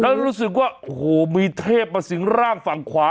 แล้วรู้สึกว่าโอ้โหมีเทพมาสิงร่างฝั่งขวา